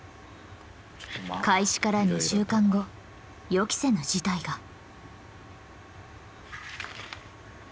開始から２週間後予期せぬ事態が。